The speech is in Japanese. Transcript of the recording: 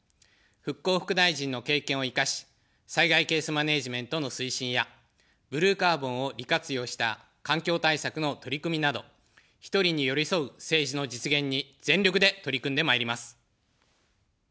復興副大臣の経験を生かし、災害ケースマネジメントの推進や、ブルーカーボンを利活用した環境対策の取り組みなど、１人に寄り添う政治の実現に全力で取り組んでまいります。